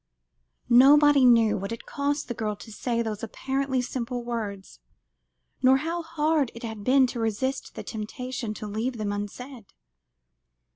Nobody knew what it cost the girl to say those apparently simple words, nor how hard it had been to resist the temptation to leave them unsaid.